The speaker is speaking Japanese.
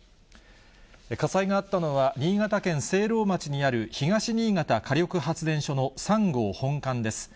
火災があったのは、新潟県聖籠町にある東新潟火力発電所の３号本館です。